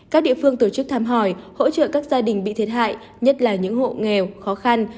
các địa phương tổ chức thăm hỏi hỗ trợ các gia đình bị thiệt hại nhất là những hộ nghèo khó khăn